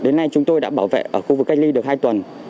đến nay chúng tôi đã bảo vệ ở khu vực cách ly được hai tuần